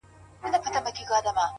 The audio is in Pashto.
o حدِاقل چي ته مي باید پُخلا کړې وای،